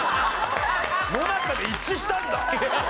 「のなか」で一致したんだ。